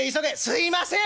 すいません」。